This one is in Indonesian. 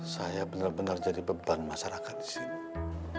saya benar benar jadi beban masyarakat di sini